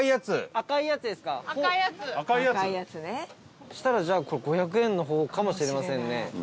そしたら、じゃあ５００円の方かもしれませんね。